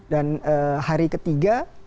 dan hari ketiga